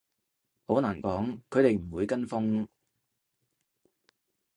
好難講，佢哋唔會跟風